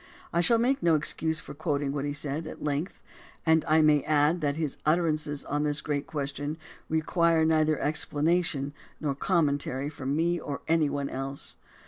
I shall make no excuse for quoting what he said, at length, and I may add that his utterances on this great question require neither explanation nor commentary from me or any one else.